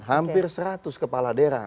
hampir seratus kepala daerah